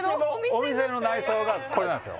お店の内装がこれなんすよ